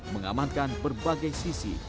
mengamankan berbagai sisi